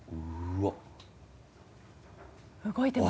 うわっ